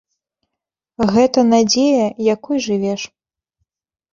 Гэта надзея, якой жывеш.